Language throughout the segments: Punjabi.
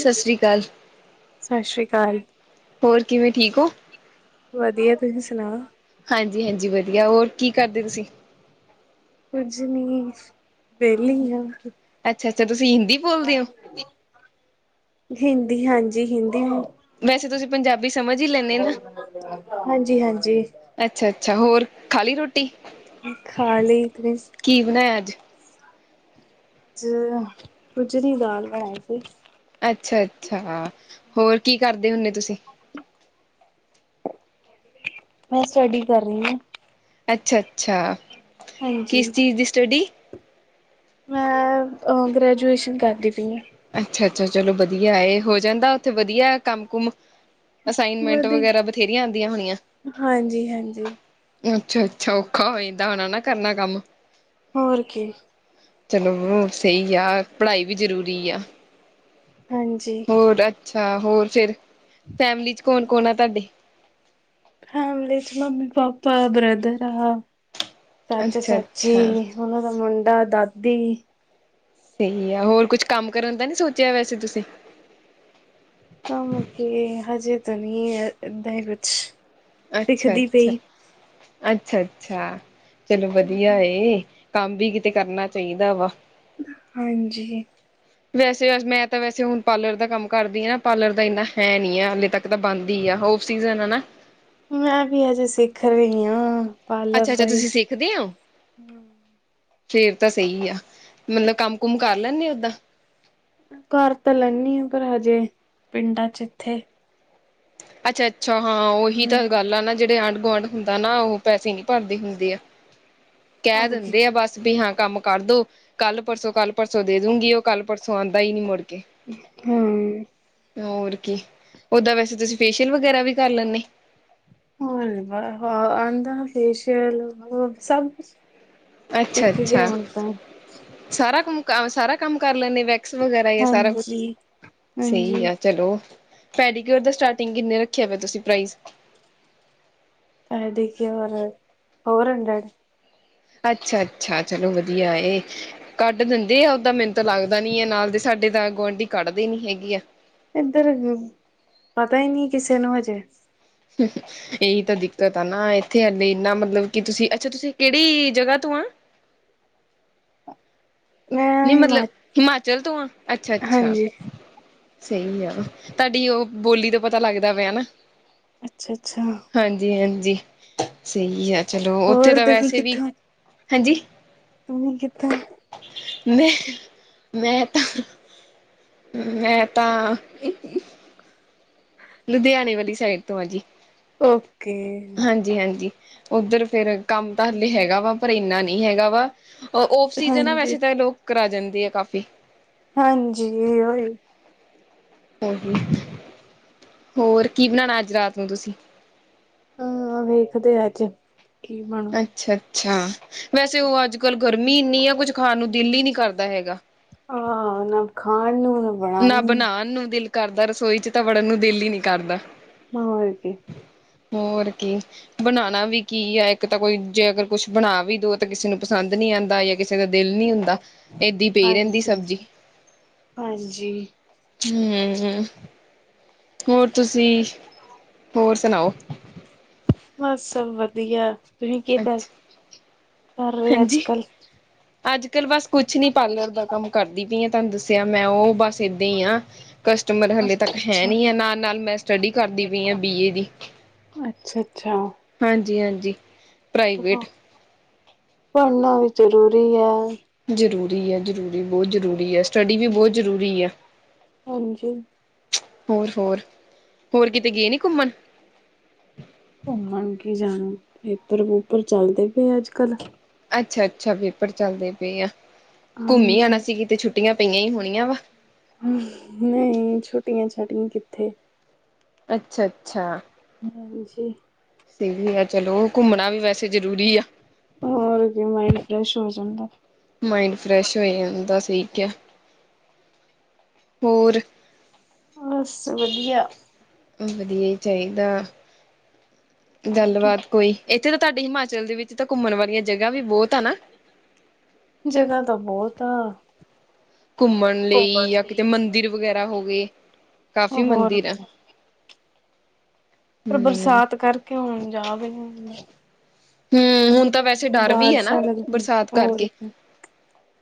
ਸਤਿ ਸ਼੍ਰੀ ਅਕਾਲ। ਸਤਿ ਸ਼੍ਰੀ ਅਕਾਲ। ਹੋਰ ਕਿਵੇਂ ਠੀਕ ਓ? ਵਧੀਆ ਤੁਸੀਂ ਸੁਣਾ? ਹਾਂਜੀ-ਹਾਂਜੀ ਵਧੀਆ ਹੋਰ ਕੀ ਕਰਦੇ ਤੁਸੀਂ? ਕੁੱਝ ਨੀ ਵਿੇਹਲੀ ਆ। ਅੱਛਾ-ਅੱਛਾ ਤੁਸੀ ਹਿੰਦੀ ਬੋਲਦੇ ਹੋ ਹਿੰਦੀ ਹਾਂਜੀ ਹਿੰਦੀ ਹ ਵੈਸੇ ਤੁਸੀਂ ਪੰਜਾਬ ਵੀ ਸਮਝ ਈ ਲੈ ਹਾਂਜੀ-ਹਾਂਜੀ। ਅੱਛਾ-ਅੱਛਾ ਹੋਰ ਖਾਲੀ ਰੋਟ ਖਾਲੀ [unintelligible] ਕੀ ਬਣਾਇਆ ਅੱਜ। ਅੱਜ ਕੁਝਰੀ ਦਾਲ ਬਣਾਈ ਸੀ। ਅੱਛਾ-ਅੱਛਾ ਹੋਰ ਕੀ ਕਰਦੇ ਹੁਨੇ ਤੁਸੀਂ? ਮੈਂ ਸਟੱਡੀ ਕਰ ਰਈ ਆ ਅੱਛਾ-ਅੱਛਾ, ਹਾਂਜੀ ਕਿਸ ਚੀਜ਼ ਦੀ ਸਟੱਡੀ ਮੈਂ ਅ ਗ੍ਰੈਜੂਏਸ਼ਨ ਕਰਦੀ ਪਈ ਆ। ਅੱਛਾ-ਅੱਛਾ ਚਲੋ ਵਧੀਆ ਏ, ਹੋ ਜਾਂਦਾ ਉੱਥੇ ਵਧੀਆ ਕੰਮ ਕੁਮ ਅਸਾਈਨਮੈਂਟ ਵਧੀ, ਵਗੈਰਾ ਬਥੇਰੀਆਂ ਆਂਦੀਆਂ ਹੋਣੀਆਂ। ਹਾਂਜੀ ਹਾਂਜੀ ਅੱਛਾ-ਅੱਛਾ ਔਖਾ ਹੋਈਦਾ ਹੋਣਾ ਨਾ ਕਰਨਾ ਕੰਮ। ਹੋਰ ਕੀ ਚਲਓ ਸਹੀ ਆ। ਪੜ੍ਹਾਈ ਵੀ ਜ਼ਰੂਰੀ ਆ। ਹਾਂਜੀ। ਹੋਰ ਅੱਛਾ ਹੋਰ ਫਿਰ, ਫੈਮਿਲੀ ਚ ਕੌਣ-ਕੌਣ ਆ ਤਾਡੇ। ਫੈਮਲੀ ਚ ਮੰਮੀ ਪਾਪਾ ਬ੍ਰਦਰਦਰ ਆ ਚਾਚਾ ਅੱਛਾ ਚਾਚੀ ਅੱਛਾ ਉਹਨਾਂ ਦਾ ਮੁੰਡਾ ਦਾਦੀ ਸਹੀ ਆ। ਹੋਰ ਕੁਛ ਕੰਮ ਕਰਨ ਦਾ ਨੀ ਸੋਚਿਆ ਵੈਸੇ ਤੁਸੀਂ। ਕੰਮ ਕੀ ਹਜੇ ਤਾਂ ਨੀ ਐ ਏਦਾਂ ਕੁਛ ਸਿੱਖਦੀ ਅੱਛਾ-ਅੱਛਾ, ਪਈ ਅੱਛਾ-ਅੱਛਾ ਚਲੋ ਵਧੀਆ ਏ। ਕੰਮ ਵੀ ਕਿਤੇ ਕਰਨਾ ਚਾਈਦਾ ਵਾ। ਹਾਂਜੀ। ਵੈਸੇ, ਮੈਂ ਤਾਂ ਵੈਸੇ ਹੁਣ ਪਾਲਰ ਦਾ ਕੰਮ ਕਰਦੀ ਆ। ਪਾਲਰ ਦਾ ਇੰਨਾ ਹੈ ਨੀ ਆ। ਹਾਲੇ ਤੱਕ ਤਾਂ ਬਣਦੀ ਈ ਆ। ਉਹਫ ਸੀਜ ਐ ਨਾ ਮੈਂ ਵੀ ਅਜੇ ਸਿੱਖ ਰਈ ਆ। ਅੱਛ-ਅੱਛਾ ਤੁਸੀਂ ਸਿੱਖਦੇ ਓ? ਫਿਰ ਤਾਂ ਸਈ ਆ। ਮਤਲਬ ਕੰਮ- ਕੁਮ ਕਰ ਲੈਂਦੇ, ਓਦਾਂ? ਕਰ ਤਾਂ ਲੈਨੀ ਆ। ਪਰ ਹਜੇ ਪਿੰਡਾਂ ਚ ਇੱਥੇ ਅੱਛਾ-ਅੱਛਾ ਹਾਂ ਉਹੀ ਤਾਂ ਗੱਲ ਆ ਨਾ। ਜਿਹੜੇ ਆਂਢ- ਗੁਆਂਢ ਹੁੰਦਾ ਨਾ। ਉਹ ਪੈਸੇ ਨੀ ਭਰਦੇ ਹੁੰਦੇ ਆ। ਕਹਿ ਹੋਰ ਕੀ ਦਿੰਦੇ ਆ ਬਸ ਹਾਂ ਕੰਮ ਕਰਦੋ। ਕੱਲ ਪਰਸੋਂ, ਕੱਲ ਪਰਸੋਂ, ਦੇ ਦੂੰਗੀ ਉਹ ਕੱਲ ਪਰਸੋਂ ਆਂਦਾ ਈ ਨੀ ਮੁੜਕੇ। ਹੂੰ। ਹੋਰ ਕੀ। ਓਦਾਂ ਵੈਸੇ ਤੁਸੀਂ ਫੇਸ਼ੀਅਲ ਵਗੈਰਾ ਵੀ ਕਰ ਲੈਂਦੇ? ਹੋਰ ਨੀ ਬਾਲਾ, ਆਦਾ ਫੇਸ਼ੀਅਲ ਸਭ ਸਿੱਖ ਗਏ ਅੱਛਾ-ਅੱਛਾ ਹੁਣ ਤਾਂ ਸਾਰਾ ਕੰਮ- ਸਾਰਾ ਅ ਕੰਮ ਕਰ ਲੈਂਦੇ ਵੇ ਸੁਹ ਰਹੀ ਈ ਸਾਰਾ ਕੁਛ, ਹਾਂਜੀ ਸਹੀ ਹਾਂਜੀ ਆ ਚਲੋ ਪੈਡੀਕਿਓਰ ਦਾ ਸਟਾਰਟਿੰਗ ਕਿੰਨੇ ਰੱਖਿਆ ਪਿਆ। ਤੁਸੀਂ ਪ੍ਰਾਈਸ? ਪੈਡੀਕਿਓਰਅ ਫੋਰ ਹਡਰਡ ਅੱਛਾ-ਅੱਛਾ ਚਲੋ ਵਧੀਆ ਏ। ਕੱਢ ਦਿੰਦੇ ਆ। ਓਦਾਂ ਮੈਨੂੰ ਤਾਂ ਲੱਗਦਾ ਨੀ। ਆ ਨਾਲ ਦੇ ਸਾਡੇ ਤਾਂ ਗੁਆਂਢੀ ਕੱਢਦੇ ਨੀ ਹੈਗੀ ਆ। ਇੱਧਰ ਪਤਾ ਈ ਨੀ ਕਿਸੇ ਨੂੰ ਹਜੇ ਹੂੰ ਹੂੰ ਇਹੀ ਤਾਂ ਦਿੱਕਤ ਆ ਨਾ ਇੱਥੇ ਹਲੇ ਇੰਨਾ ਮਤਲਬ ਕਿ ਤੁਸੀਂ ਅੱਛਾ ਤੁਸੀਂ ਕਿਹੜੀ ਜਗ੍ਹਾ ਤੋਂ ਆ? ਮੈਂ ਨੀ ਹਿਮਾ ਮਤਲਬ ਹਿਮਾਚਲ ਤੋਂ ਆ, ਅੱਛਾ ਅੱਛਾ? ਹਾਂਜੀ ਸਹੀ ਆ, ਤੁਹਾਡੀ ਉਹ ਬੋਲੀ ਤੋਂ ਪਤਾ ਲੱਗਦਾ ਪਿਆ ਨਾ। ਅੱਛਾ ਅੱਛਾ ਹਾਂਜੀ ਹਾਂਜੀ ਸਹੀ ਆ ਚਲੋ ਉੱਥੇ ਹੋਰ ਤਾਂ ਤੁਸੀਂ ਵੈਸੇ ਵੀ, ਕਿੱਥੋਂ ਹਾਂਜੀ ਤੁਸੀਂ ਕਿੱਥੋਂ ਮੈਂ ਮੈਂ ਤਾਂ ਹੂੰ ਮੈਂ ਤਾਂ ਹੂੰ ਲੁਧਿਆਣੇ ਵਾਲੀ ਸਾਈਡ ਤੋਂ ਆ ਜੀ। ਹੂੰ। ਹਾਂਜੀ- ਹਾਂਜੀ। ਉੱਧਰ ਫੇਰ ਕੰਮ ਤਾਂ ਹਲੇੇ ਹੈਗਾ ਵਾ ਪਰ ਇੰਨਾ ਨਹੀਂ ਹੈਗਾ ਵਾ। ਅ ਓਫਸੀਜਨ ਆ। ਹਾਂਜੀ ਵੈਸੇ ਤਾਂ ਏ ਲੋਕ ਕਰਾ ਜਾਂਦੇ ਆ ਕਾਫੀ। ਹਾਂਜੀ ਓਹੀ ਹੋਰ ਕੀ, ਹੋਰ ਕੀ ਬਣਾਣਾ ਅੱਜ ਰਾਤ ਨੂੰ ਤੁਸੀਂ? ਹਾ, ਵੇਖਦੇ ਆ ਅੱਜ ਕੀ ਬਣੂ ਅੱਛਾ-ਅੱਛਾ। ਵੈਸੇ ਉਹ ਅੱਜ-ਕੱਲ ਗਰਮੀ ਇੰਨੀ ਆ। ਕੁੱਜ ਖਾਣ ਨੂੰ ਦਿਲ ਈ ਨੀ ਕਰਦਾ ਹੈਗਾ। ਆਹ। ਨਾ ਖਾਣ ਨੂੰ ਨਾ ਬਣਾ ਨੂੰ ਦਿਲ ਕਰਦਾ ਰਸੋਈ ਚ ਤਾਂ ਵੜਨ ਨੂੰ ਦਿਲ ਹੀ ਨਹੀਂ ਕਰਦਾ। ਮਰ ਕੇ ਹੋਰ ਕੀ। ਬਣਾਉਣਾ ਵੀ ਕੀ ਆ ਇੱਕ ਤਾਂ ਕੋਈ ਜੇ ਅਗਰ ਕੁਛ ਬਣਾ ਵੀ ਦਉ ਤਾਂ ਕਿਸੇ ਨੂੰ ਪਸੰਦ ਨਹੀਂ ਆਉਂਦਾ ਕਿਸੇ ਦਾ ਦਿਲ ਨਹੀਂਹੁੰਦਾ ਹਾਂਜੀ ਸਿੰਘ ਹਾਂਜੀ ਹੂੰ ਹੂੰ ਹੋਰ ਤੁਸੀਂ, ਹੋਰ ਸੁਣਾਓ। ਬਸ ਸਭ ਵਧੀਆ ਤੁਸੀ ਕੀ ਕਰ, ਅੱਛਾ ਕਰ ਰਹੇ ਅੱਜ ਹਾਂਜੀ ਕੱਲ ਅੱਜ ਕੱਲ ਬਸ ਕੁਛ ਨੀ ਪਾਰਲਰ ਦਾ ਕੰਮ ਕਰਦੀ ਪਈ ਆ ਤੁਹਾਨੂੰ ਦੱਸਿਆ ਮੈਂ ਉਹ ਬਸ ਏਦਾਂ ਹੀ ਆ ਕਸਟਮਰ ਹਲੇੇ ਅੱਛਾ ਤੱਕ ਹੈ ਅੱਛਾ ਨਹੀਂ ਹੈ ਨਾਲ ਨਾਲ ਮੈਂ ਸਟੱਡੀ ਕਰਦੀ ਪਈ ਹਾਂ ਬੀ ਏ ਦੀ ਅੱਛਾ, ਅੱਛਾ। ਹਾਂਜੀ- ਹਾਂਜੀ। ਚਲੋ, ਪ੍ਰਾਈਵੇਟ ਪੜ੍ਹਨਾ ਵੀ ਜ਼ਰੂਰੀ ਹੈ‌। ਜ਼ਰੂਰੀ ਹੈ, ਜ਼ਰੂਰੀ ਬਹੁਤ ਜ਼ਰੂਰੀ ਹੈ, ਸਟੱਡੀ ਵੀ ਬਹੁਤ ਜ਼ਰੂਰੀ ਹੈ। ਹਾਂਜੀ। ਹੋਰ-ਹੋਰ ਹੋਰ ਕਿਤੇ ਗਏ ਨੀ ਘੁੰਮਣ? ਘੁੰਮਣ ਕੀ ਜਾਣ, ਪੇਪਰ- ਵੂਪਰ ਚੱਲਦੇ ਪਏ ਅੱਜ- ਕੱਲ। ਅੱਛਾ- ਅੱਛਾ ਪੇਪਰ ਚੱਲਦੇ ਪਏ ਆ, ਘੁੰਮੀ ਆਣਾ ਹਾਂਜੀ ਸੀ ਕਿਤੇ ਛੁੱਟੀਆਂ ਪਈਆਂ ਹੀ ਹੋਣੀਆਂ ਵਾ। ਨਹੀਂ ਛੁੱਟੀਆਂ-ਛਾਟੀਆਂ ਕਿੱਥੇ। ਅੱਛਾ- ਅੱਛਾ। ਮਾਵੇਸ਼ੀ। ਵੀ ਆ ਚਲੋ, ਘੁੰਮਣਾ ਵੀ ਵੈਸੇ ਜ਼ਰੂਰੀ ਆ। ਹੋਰ ਕੀ ਮਾਈਡ ਫਰੈਸ਼ ਹੋ ਜਾਂਦਾ। ਮਾਇੰਡ ਫਰੈਸ਼ ਹੋ ਜਾਂਦਾ ਸਹੀ ਕਿਹਾ। ਹੋਰ ਬਸ ਵਧੀਆ। ਵਧੀਆ ਹੀ ਚਾਹੀਦਾ। ਹੋਰ ਗੱਲਬਾਤ ਕੋਈ ਇੱਥੇ ਤਾਂ ਤੁਹਾਡੇ ਹਿਮਾਚਲ ਦੇ ਵਿੱਚ ਤਾਂ ਘੁੰਮਣ ਵਾਲੀਆਂ ਜਗ੍ਹਾ ਵੀ ਬਹੁਤ ਆ ਨਾ। ਜਗ੍ਹਾ ਤਾਂ ਬਹੁਤ ਆ। ਘੁੰਮਣ ਲਈ ਜਾਂ ਕਿਤੇ ਮੰਦਿਰ ਵਗੈਰਾ ਹੋ ਗਏ। ਕਾਫੀ ਹੋਰ ਮੰਦਿਰ ਐ। ਕੀ, ਪਰ ਹੂੰ। ਬਰਸਾਤ ਕਰਕੇ ਹਣ ਜਾਵੇ ਹਮ ਹੁਣ ਤਾਂ ਵੈਸੇ ਡਰ ਵੀ ਹੈ ਨਾ ਬਾਰਿਸ਼ਾਂ ਲੱਗਦੀ ਬਰਸਾਤ ਹੋਰ ਕਰਕੇ ਕੀ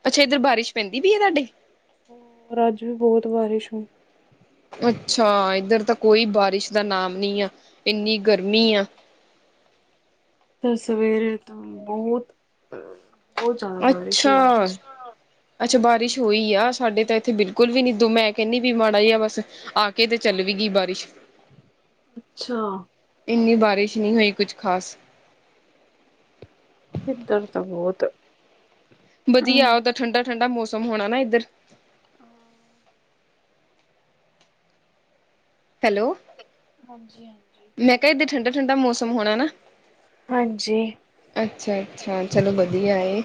ਅੱਛਾ ਇੱਧਰ ਬਾਰਿਸ਼ ਪੈਂਦੀ ਹੈ ਤੁਹਾਡੇ ਹੋਰ ਅੱਜ ਵੀ ਬਹੁਤ ਬਾਰਿਸ਼ ਹੋਈ। ਅੱਛਾ। ਇੱਧਰ ਤਾਂ ਕੋਈ ਬਾਰਿਸ਼ ਦਾ ਨਾਮ ਨੀਆ। ਇੰਨੀ ਗਰਮੀ ਆ। ਤਾਂ ਸਵੇਰੇ ਤੋਂ ਬਹੁਤ -ਬਹੁਤ ਜ਼ਿਆਦਾ ਬਾਰਿਸ਼ ਅੱਛਾ। ਹੋਈ। ਅੱਛ ਅੱਛਾ ਬਾਰਿਸ਼ ਹੋਈ ਆ। ਸਾਡੇ ਤਾਂ ਇੱਥੇ ਬਿਲਕੁਲ ਵੀ ਨੀ, ਦੋ ਮੈਂ ਕਹਿੰਦੀ ਵੀ ਮਾੜਾ ਜ ਆ ਬਸ ਆ ਕੇ ਤੇ ਚੱਲ ਵੀਗੀਈ ਬਾਰਿਸ਼। ਅੱਛਾ। ਇੰਨੀ ਬਾਰਿਸ਼ ਨਹੀਂ ਹੋਈ, ਕੁਝ ਖਾਸ ਇਧਰ ਤਾਂ ਬਹੁਤ ਵਧੀਆ ਆ। ਤਾਂ ਠੰਡਾ-ਠੰਢਾ ਮੌਸਮ ਹੋਣਾ ਨਾ ਇੱਧਰ? ਹਾਂਜੀ ਹੈਲੋ, ਹਾਂਜੀ ਮੈਂ ਕਿਹਾ ਇਏਧਾਂ ਠੰਡਾ- ਠੰਡਾ ਮੌਸਮ ਹੋਣਾ ਨਾ। ਹਾਂਜੀ ਅੱਛਾ-ਅੱਛਾ। ਚਲੋ ਵਧੀਆ ਹੈ।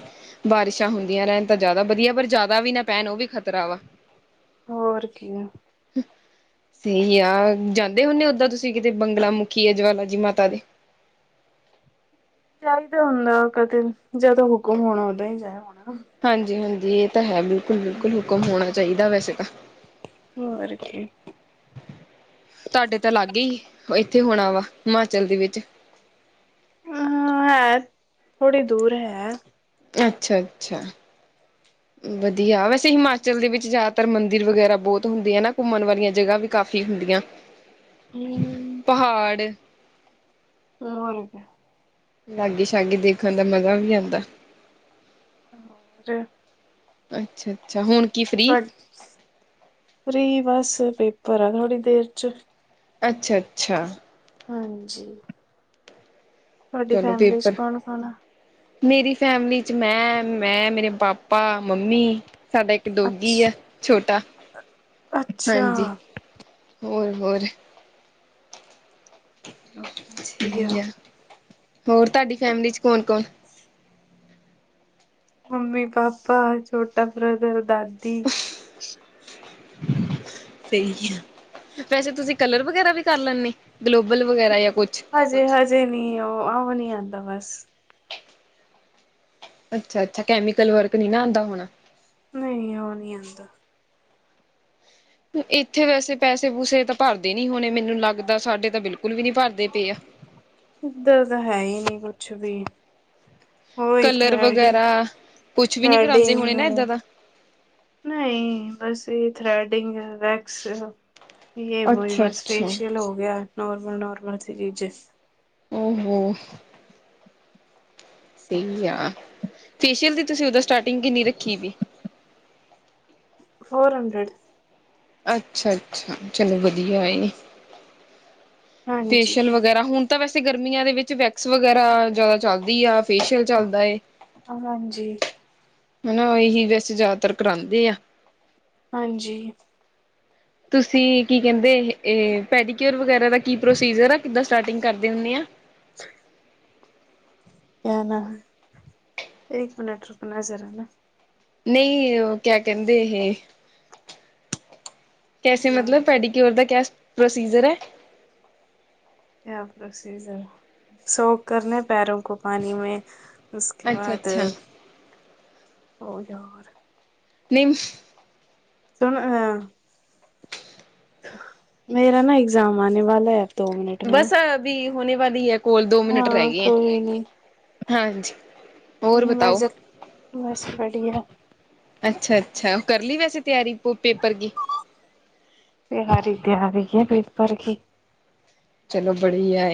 ਬਾਰਿਸ਼ਾਂ ਹੁੰਦੀਆਂ ਰਹਿਣ ਤਾਂ ਜ਼ਿਆਦਾ ਵਧੀਆ, ਪਰ ਜ਼ਿਆਦਾ ਵੀ ਨਾ ਪੈਣ ਉਹ ਵੀ ਖ਼ਤਰਾ ਵਾ। ਹੋਰ ਕੀ ਆ। ਤੁਹੀ ਆ ਜਾਂਦੇ ਹੁੰਦੇ ਉਓਦਾਂ ਤੁਸੀਂ ਕਿਤੇ ਬੰਗਲਾ ਮੁਖੀ ਹੈ, ਜਵਾਲਾ ਜੀ ਮਾਤਾ ਦੇ। ਚਾਹੀਦਾ ਹੁੰਦਾ ਕਦੇ, ਜਦੋਂ ਹੁਕਮ ਹੋਣਾ ਉਦਾਂ ਹੀ ਜੇ ਹੋਣਾ। ਹਾਂਜੀ -ਹਾਂਜੀ ਇਹ ਤਾਂ ਹੈ। ਬਿਲਕੁਲ-ਬਿਲਕੁਲ ਹੁਕਮ ਹੋਣਾ ਚਾਹੀਦਾ ਵੈਸੇ ਤਾਂ। ਹੋਰ ਕੀ। ਤੁਹਾਡੇ ਤਾਂ ਲਾਗੇ ਹੀ, ਇੱਥੇ ਹੋਣਾ ਵਾ ਹਿਮਾਚਲ ਦੇ ਵਿੱਚ ਹਾਂ ਹੈ ਥੋੜ੍ਹੀ ਦੂਰ ਹੈ। ਅੱਛਾ, ਅੱਛਾ ਵਧੀਆ, ਵੈਸੇ ਹਿਮਾਚਲ ਦੇ ਵਿੱਚ ਜ਼ਿਆਦਾਤਰ ਮੰਦਿਰ ਵਗੈਰਾ ਬਹੁਤ ਹੁੰਦੇ ਆ, ਘੁੰਮਣ ਵਾਲੀਆਂ ਜਗ੍ਹਾ ਵੀ ਕਾਫ਼ੀ ਹੁੰਦੀਆਂ। ਹੂੰ ਪਹਾੜ ਹ ਹੋਜੀ ਲਾਗੇ ਸ਼ਾਗੀ ਦੇਖਣ ਦਾ ਮਜ਼ਾ ਵੀ ਆਉਂਦਾ। ਹੋਰ। ਅੱਛਾ, ਅੱਛਾ ਹੁਣ ਕੀ ਫ੍ਰਰੀ ਫਰੀ ਬਸ ਪੇਪਰ ਆ ਥੋੜ੍ਹੀ ਦੇਰ ਚ। ਅੱਛਾ, ਅੱਛਾ ਹਾਂਜੀ ਤੁਹਾਡੀ ਚਲੋ, ਫੈਮਿਲੀ ਚ ਪੇਪਰ ਕੌਣ ਕੌਣ ਆ ਮੇਰੀ ਫੈਮਿਲੀ ਚ ਮੈਂ ਮੈਂ, ਮੇਰੇ ਪਾਪਾ, ਮੰਮੀ ਸਾਡਾ ਡੋਗੀ ਆ ਅੱਛਾ ਛੋਟਾ, ਅੱਛਾ ਹਾਂਜੀ ਹੋਰ ਹੋ ਠੀਕ ਵਧੀਆ ਆ, ਹੋਰ ਤੁਹਾਡੀ ਫੈਮਲੀ ਚ ਕੌਣ ਕੌਣ? ਮੰਮੀ, ਪਾਪਾ, ਛੋਟਾ ਬ੍ਰਦਰ, ਦਾਦੀ। ਸਹੀ ਆ, ਵੈਸੇ ਤੁਸੀਂ ਕਲਰ ਵਗੈਰਾ ਵੀ ਕਰ ਲੈਦੇ। ਗਲੋਬਲ ਵਗੈਰਾ ਜਾਂ ਕੁਛ ਹਜੇ ਹਜੇ ਨੀ ਉਹ ਆਓ ਨੀ ਆਉਂਦਾ ਬਸ। ਅੱਛਾ, ਅੱਛਾ ਕੈਮੀਕਲ ਵਰਕ ਨੀ ਨਾ ਆਉਂਦਾ ਹੋਣਾ। ਨਹੀਂ, ਉਹ ਨਹੀਂ ਆਉਂਦਾ। ਇੱਥੇ ਵੈਸੇ ਪੈਸੇ ਪੂਸੇ ਤਾਂ ਭਰਦੇ ਨੀ ਹੋਣੇ ਮੈਨੂੰ ਲੱਗਦਾ ਸਾਡੇ ਤਾਂ ਬਿਲਕੁਲ ਵੀ ਨੀ ਭਰਦੇ ਪਏ ਆ। ਇੱਧਰ ਤਾਂ ਹੈ ਹੀ ਨੀ ਕੁਛ ਵੀ ਹੋਈ ਕਲਰ ਥਰਡੀ ਵਗੈਰਾ ਕੁਛ ਵੀ ਨੀ ਥਰਡੀ ਕਰਾਉਂਦੇ ਹੋਣੇ ਨਾ ਏਦਾਂ ਦਾ ਨਹੀਂ ਬਸ ਇਹ ਥਰਡਿੰਗ ਹੈ, ਵੈਕਸ- ਯ ਬਹੀ ਅੱਛਾ ਬਸ ਅੱਛਾ ਫੇਸ਼ੀਅਲ ਹੋ ਗਿਆ ਨੋਰਮਲ, ਨੋਰਮਲ ਸੀ ਚੀਜ਼ੇ ਓ ਹੋ। ਸਹੀ ਆ ਫੇਸ਼ੀਅਲ ਦੀ ਤੁਸੀਂ ਉਹਦੋ ਸਟਾਰਟਿੰਗ ਕਿੰਨੀ ਰੱਖੀ ਸੀ। Four hundred. ਅੱਛਾ, ਅੱਛਾ। ਚਲੋ! ਵਧੀਆ ਏ ਹਾਂਜੀ ਫੇਸ਼ਅਲ ਵਗੈਰਾ ਹੁਣ ਤਾਂ ਵੈਸੇ ਗਰਮੀਆਂ ਦੇ ਵਿੱਚ ਵੈਕਸ ਵਗੈਰਾ ਜ਼ਿਆਦਾ ਚੱਲਦੀ ਆ। ਫੇਸ਼ੀਅਲ ਚੱਲਦਾ ਹੈ, ਹਾਂਜੀ ਹਨਾ ਇਹੀ ਵੈਸੇ ਜ਼ਿਆਦਾਤਰ ਕਰਾਉਂਦੇ ਆ। ਹਾਂਜੀ। ਤੁਸੀਂ ਕੀ ਕਹਿੰਦੇ ਇਹ ਪੈਡੀਕਿਓਰ ਵਗੈਰਾ ਦਾ ਕੀ ਪ੍ਰੋਸੀਜਰ ਆ ਕਿੱਦਾਂ ਸਟਾਰਟਿੰਗ ਕਰਦੇ ਹੋਣੇ ਆ। [inaudible] [inaudible] ਇੱਕ ਮੀਨਟ ਰੁਕਣਾ ਜ਼ਰਾ ਨਾ। ਨਹੀਂ ਉਹ ਕਿਆ ਕਹਿੰਦੇ ਇਹ ਕੈਸੇ ਮਤਲਬ ਪੈਡੀਕਿਓਰ ਦਾ ਕਿਆ ਪ੍ਰੋਸੀਜਰ ਹੈ। ਪ੍ਰੋਸੀਜ਼ਰ ਸੌਕ ਕਰਨੇ ਪੈਰੋਂ ਕੋ ਪਾਣੀ ਮੈਂ। ਉਸਕੇ ਅੱਛਾ ਬਾਅਦ ਅੱਛਾ ਹੋ ਗਿਆ ਔਰ। ਨਮ ਸੁਣ ਮੇਰਾ ਨਾ ਐਗਜ਼ਾਮ ਆਉਣੇ ਵਾਲਾ ਹੈ- ਬਸ ਵੀ ਹੋਣੇ ਵਾਲੀ ਹੈ ਕੋਲ ਦੋ ਮਿੰਟ ਰਹਿ ਗਏ ਹੈ। ਹਾਂਜੀ। ੂੰ ਮ ਬਸ ਵੜੀਆ ਅੱਛਾ ਅੱਛਾ ਉਹ ਕਰ ਲਈ ਵੈਸੇ ਤਿਆਰੀ ਪੇਪਰ ਦੀ ਤਹਾਰੀ ਤਿਆਰੀ ਹੈ ਪੇਪਰ ਕੀ ਚਲੋ ਬੜੀਆ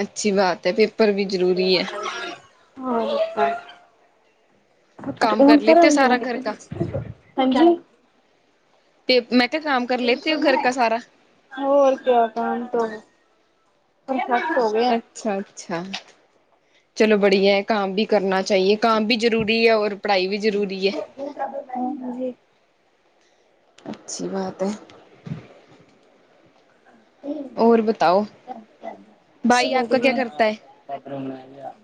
ਅੱਛੀ ਬਾਤ ਹੈ ਪੇਪਰ ਵੀ ਜ਼ਰੂਰੀ ਹੈ। ਹੋ। ਹੁਣ ਘਰੇ ਹੋਈ ਹਂਜੀ। ਤੇ ਮੈਂ ਕਿਹਾ ਕੰਮ ਘਰ ਲੈਂਦੇ ਘਰ ਦਾ ਸਾਰਾ। ਹੋਰ ਕਿਆ ਕਮ ਤੋਂ ਹੋ ਗਏ। ਅੱਛਾ ਅੱਛਾ ਚਲੋ ਬੜੀਆ ਹੈ ਕੰਮ ਵੀ ਕਰਨਾ ਚਾਹੀਏ। ਕੰਮ ਵੀ ਜ਼ਰੂਰੀ ਹੈ ਔਰ ਪੜ੍ਹਾਈ ਵੀ ਜ਼ਰੂਰੀ ਹੈ। ਅੱਛੀ ਬਾਤ ਹੈ। ਹੋਰ ਬਤਾਓ ਭਾਈ ਆਪ ਕਾ ਕਿਆ ਕਰਤਾ ਹੈ।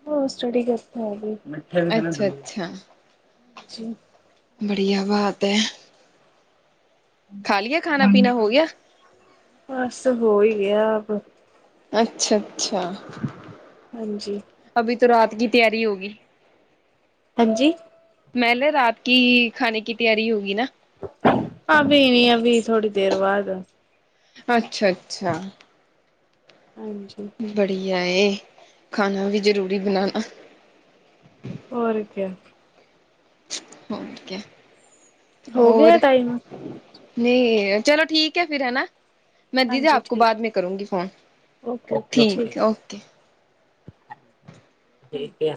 ਵੋ ਸਟਡੀ ਕਰਦਾ। ਹਾਂਜੀ। ਬੜੀਆ ਬਾਤ ਹੈ। ਖਾ ਲਈਏ ਖਾਣਾ ਪੀਣਾ ਹੋ ਗਿਆ। ਬਸ ਹੋ ਹੀ ਗਿਆ। ਅੱਛਾ ਅੱਛਾ। ਹਾਂਜੀ। ਅਭੀ ਤੋਂ ਰਾਤ ਕੀ ਤਿਆਰੀ ਹੋ ਗਈਂ। ਹਾਂਜੀ। ਮੈਂਨੇ ਰਾਤ ਕੀ ਖਾਣੇ ਕੀ ਤਿਆਰੀ ਹੋਗੀ ਨਾ। ਅਬੀ ਨਹੀਂ ਅਬੀ ਥੋੜੀ ਦੇਰ ਬਾਅਦ। ਅੱਛਾ ਅੱਛਾ। ਹਾਂਜੀ। ਬੜੀਆ ਇਹ ਖਾਣਾ ਵੀ ਜ਼ਰੂਰੀ ਬਣਾਉਣਾ। ਹੋਰ ਕਿਆ। ਔਰ ਕਿਆ। ਹੋ ਗਿਆ ਹੋਰ? ਟਾਈਮ ਨਹੀਂ ਚਲੋ ਠੀਕ ਹੈ ਫਿਰ ਹਨਾ। ਮੈਂ ਦੀਦੀ ਹਾਂਜੀ ਆਪ ਕੋ ਠੀਕ ਬਾਅਦ ਮੈਂ ਕਰੂੰਗੀ ਫੋਨ ਓਕੇ ਓਕੇ ਠੀਕ ਹੈ ਓਕੇ। ਠੀਕ ਹੈ।